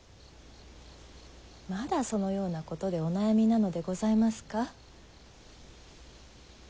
まだそのようなことでお悩みなのでございますか？